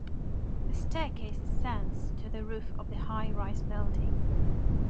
The staircase ascends to the roof of the high rise building.